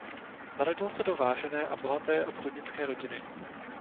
Narodil se do vážené a bohaté obchodnické rodiny.